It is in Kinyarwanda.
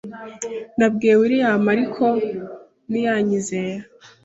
Nabwiye William, ariko ntiyanyizera.